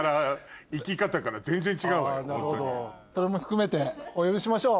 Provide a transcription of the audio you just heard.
それも含めてお呼びしましょう。